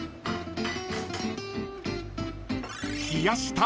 ［冷やした］